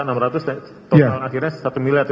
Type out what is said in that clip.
total akhirnya satu miliar